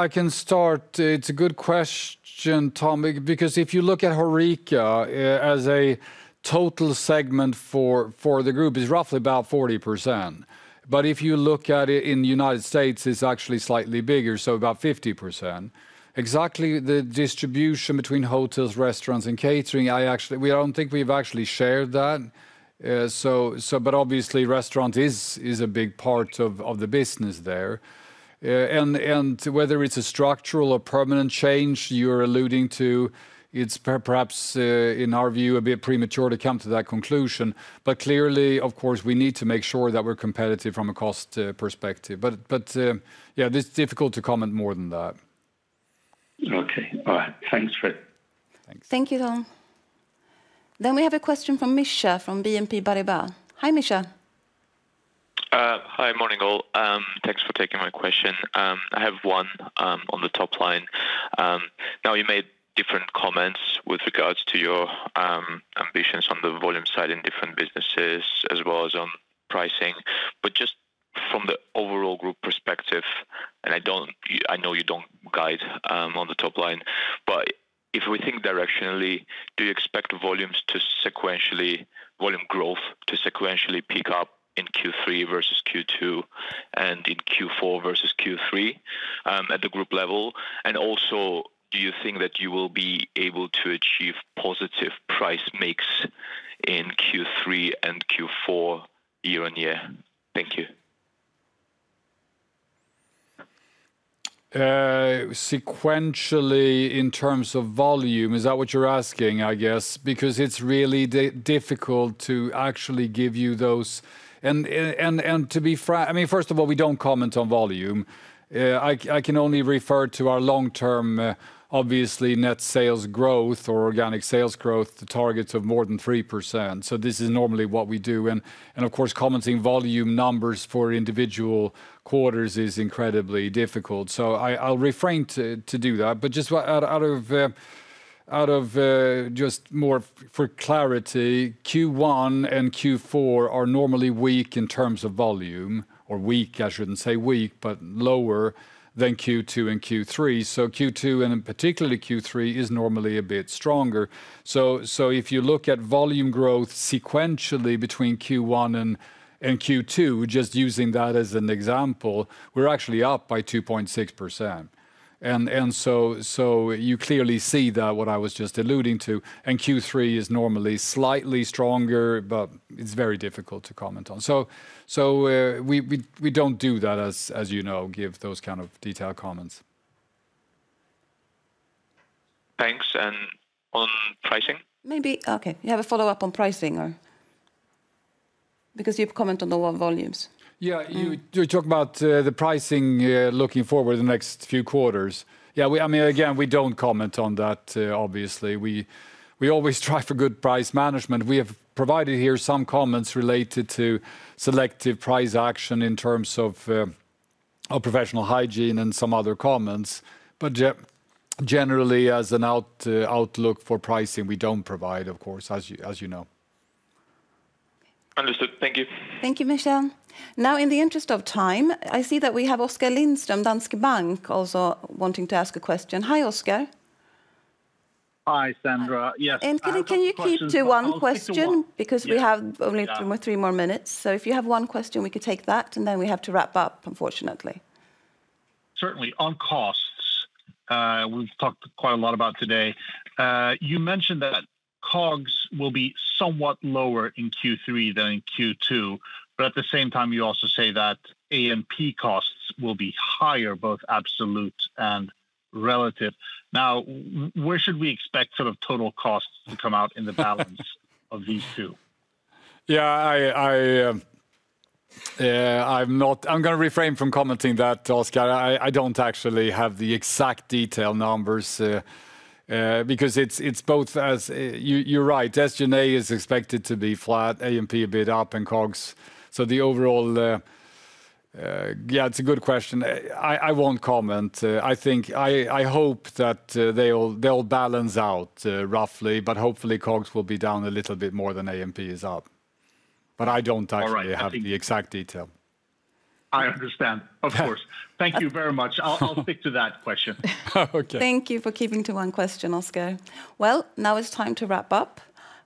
can start. It's a good question, Tom, because if you look at HoReCa as a total segment for the group, it's roughly about 40%. But if you look at it in the United States, it's actually slightly bigger, so about 50%. Exactly the distribution between hotels, restaurants, and catering, we don't think we've actually shared that. But obviously, restaurant is a big part of the business there. And whether it's a structural or permanent change you're alluding to, it's perhaps, in our view, a bit premature to come to that conclusion. But clearly, of course, we need to make sure that we're competitive from a cost perspective. But yeah, it's difficult to comment more than that. Okay. All right. Thanks, Fred. Thank you, Tom. Then we have a question from Misha from BNP Paribas. Hi, Misha. Hi, morning all. Thanks for taking my question. I have one on the top line. Now, you made different comments with regards to your ambitions on the volume side in different businesses as well as on pricing. But just from the overall group perspective, and I know you don't guide on the top line, but if we think directionally, do you expect volumes to sequentially, volume growth to sequentially pick up in Q3 versus Q2 and in Q4 versus Q3 at the group level? And also, do you think that you will be able to achieve positive price mix in Q3 and Q4 year-on-year? Thank you. Sequentially in terms of volume, is that what you're asking, I guess? Because it's really difficult to actually give you those. And to be frank, I mean, first of all, we don't comment on volume. I can only refer to our long-term, obviously, net sales growth or organic sales growth targets of more than 3%. So this is normally what we do. And of course, commenting volume numbers for individual quarters is incredibly difficult. So I'll refrain to do that. But just more for clarity, Q1 and Q4 are normally weak in terms of volume, or weak, I shouldn't say weak, but lower than Q2 and Q3. So Q2 and particularly Q3 is normally a bit stronger. So if you look at volume growth sequentially between Q1 and Q2, just using that as an example, we're actually up by 2.6%. And so you clearly see that what I was just alluding to. And Q3 is normally slightly stronger, but it's very difficult to comment on. So. We don't do that, as you know, give those kind of detailed comments. Thanks. And on pricing? Maybe. Okay. You have a follow-up on pricing or. Because you've commented on the volumes. Yeah, you're talking about the pricing looking forward in the next few quarters. Yeah, I mean, again, we don't comment on that, obviously. We always strive for good price management. We have provided here some comments related to selective price action in terms of professional hygiene and some other comments. But. Generally, as an outlook for pricing, we don't provide, of course, as you know. Understood. Thank you. Thank you, Misha. Now, in the interest of time, I see that we have Oskar Lindström, Danske Bank, also wanting to ask a question. Hi, Oskar. Hi, Sandra. Yes. And can you keep to one question? Because we have only three more minutes. So if you have one question, we could take that, and then we have to wrap up, unfortunately. Certainly. On costs. We've talked quite a lot about today. You mentioned that COGS will be somewhat lower in Q3 than in Q2. But at the same time, you also say that A&P costs will be higher, both absolute and relative. Now, where should we expect sort of total costs to come out in the balance of these two? Yeah. I'm going to refrain from commenting that, Oskar. I don't actually have the exact detailed numbers. Because it's both, as you're right, SG&A is expected to be flat, A&P a bit up, and COGS. So the overall. Yeah, it's a good question. I won't comment. I think I hope that they'll balance out roughly, but hopefully COGS will be down a little bit more than A&P is up. But I don't actually have the exact detail. I understand. Of course. Thank you very much. I'll stick to that question. Okay. Thank you for keeping to one question, Oskar. Well, now it's time to wrap up.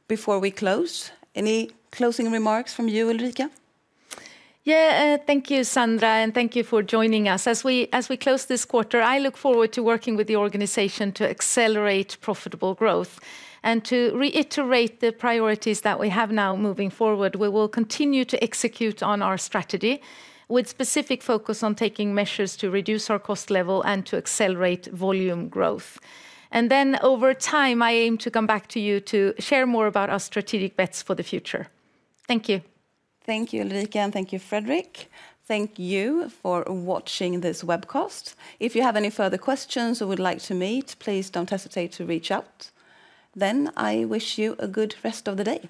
Before we close, any closing remarks from you, Ulrika? Yeah, thank you, Sandra, and thank you for joining us. As we close this quarter, I look forward to working with the organization to accelerate profitable growth. And to reiterate the priorities that we have now moving forward, we will continue to execute on our strategy with specific focus on taking measures to reduce our cost level and to accelerate volume growth. And then over time, I aim to come back to you to share more about our strategic bets for the future. Thank you. Thank you, Ulrika, and thank you, Fredrik. Thank you for watching this webcast. If you have any further questions or would like to meet, please don't hesitate to reach out. Then I wish you a good rest of the day.